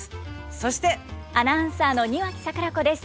アナウンサーの庭木櫻子です。